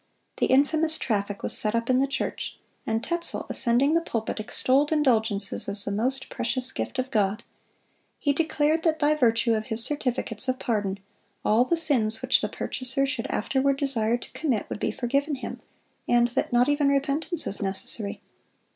The infamous traffic was set up in the church, and Tetzel, ascending the pulpit, extolled indulgences as the most precious gift of God. He declared that by virtue of his certificates of pardon, all the sins which the purchaser should afterward desire to commit would be forgiven him, and that "not even repentance is necessary."